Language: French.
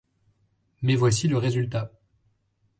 Mais voici le résultat.